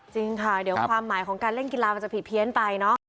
จริงค่ะเดี๋ยวความหมายของการเล่นกีฬามันจะผิดเพี้ยนไปเนอะ